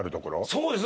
そうです